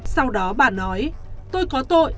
sau đó bà nói tôi có tội